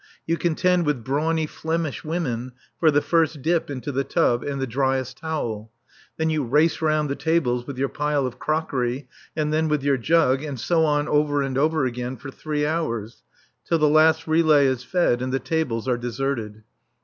You contend with brawny Flemish women for the first dip into the tub and the driest towel. Then you race round the tables with your pile of crockery, and then with your jug, and so on over and over again for three hours, till the last relay is fed and the tables are deserted.